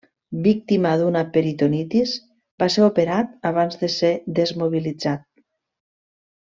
Víctima d'una peritonitis, va ser operat abans de ser desmobilitzat.